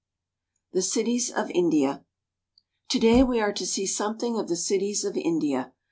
THE CITIES OF INDIA TO DAY we are to see something of the cities of India.